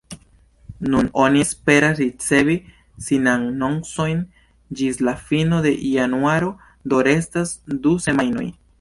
Nun oni esperas ricevi sinanoncojn ĝis la fino de januaro, do restas du semajnoj.